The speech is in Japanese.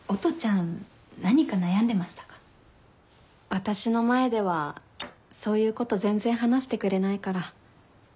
私の前ではそういうこと全然話してくれないから。